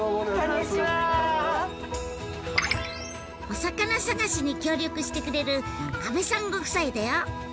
お魚探しに協力してくれる安部さんご夫妻だよ。